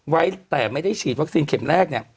ไว้แต่ไม่ได้ฉีดวัคซีนเข็มแรกเนี่ย